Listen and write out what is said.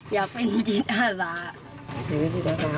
อยากเป็นจิตอาสา